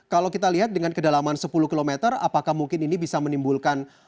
kalau kita lihat dengan kedalaman sepuluh km apakah mungkin ini bisa menimbulkan